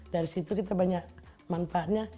dari situ kita banyak manfaatnya